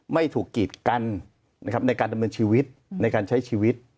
ไม่ถูกกีดกันนะครับในการดำเนินชีวิตในการใช้ชีวิต